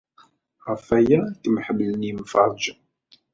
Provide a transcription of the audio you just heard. Ɣef waya ay k-ḥemmlen yemfeṛṛjen.